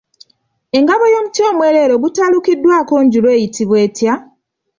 Engabo ey'omuti omwereere okutalukiddwako njulu eyitimbwa?